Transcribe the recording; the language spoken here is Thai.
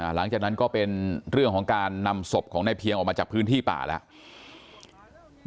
หลังจากนั้นก็เป็นเรื่องของการนำศพของนายเพียงออกมาจากพื้นที่ป่าแล้ว